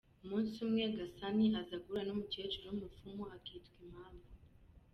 Umunsi umwe Gasani aza guhura n’umukecuru w’umupfumu akitwa Impamvu.